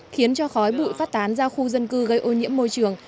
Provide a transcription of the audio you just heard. khiến cho khói bụi phát tán ra khu dân cư gây ô nhiễm môi trường